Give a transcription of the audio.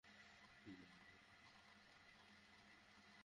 বরং এমন একটি করে ছবি করব, যেখানে কাজ করতে আমার ভালো লাগবে।